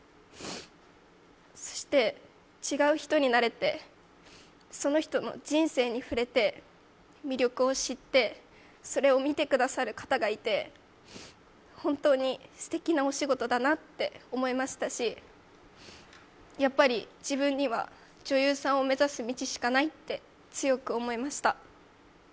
そして違う人になれてその人の人生に触れて魅力を知って、それを見てくださる方がいて本当にすてきなお仕事だなって思いましたし、やっぱり自分には女優さんを目指す道しかないって、強く思いました。